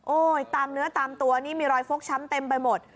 ตามเนื้อตามตัวนี่มีรอยฟกช้ำเต็มไปหมด